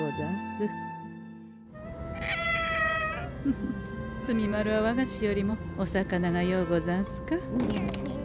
フフ墨丸は和菓子よりもお魚がようござんすか？